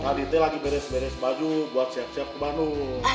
aditnya lagi beres beres baju buat siap siap ke bandung